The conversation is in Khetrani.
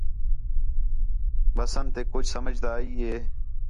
بستیک کُج سمجھ تے آئی